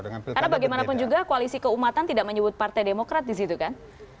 karena bagaimanapun juga koalisi keumatan tidak menyebut partai demokrat disitu kan